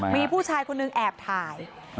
มีผู้ชายคนหนึ่งแอบถ่าย